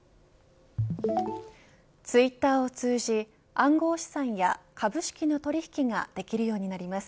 ツイッターを通じ暗号資産や株式の取引ができるようになります。